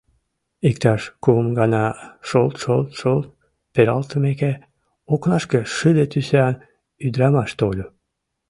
Иктаж кум гана шолт-шолт-шолт пералтымеке, окнашке шыде тӱсан ӱдырамаш тольо.